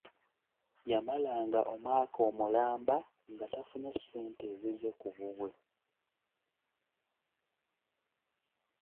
yamalanga omwaka omulamba nga tafunye ssente zize ku bubwe.